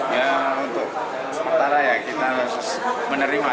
ya untuk sementara ya kita harus menerima